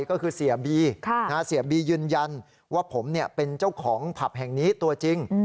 ก็คือเสียบีเสียบียืนยันว่าผมเป็นเจ้าของผับแห่งนี้ตัวจริง